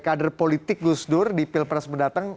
kadir politik gusdur di pilpres mendatang